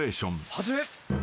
始め。